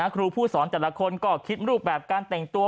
ครูผู้สอนแต่ละคนก็คิดรูปแบบการแต่งตัว